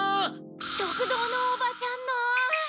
食堂のおばちゃんの。